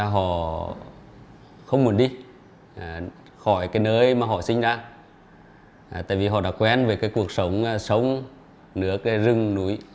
họ không muốn đi khỏi cái nơi mà họ sinh ra tại vì họ đã quen với cái cuộc sống sống nước rừng núi